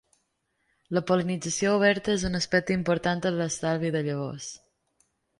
La pol·linització oberta és un aspecte important en l'estalvi de llavors.